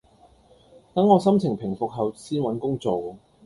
等我心情平復後先搵工做